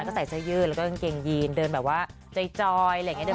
ก็ใส่เสื้อยื่นแบบเกงยีนเดินว่าจ่อยดึงแบบพี่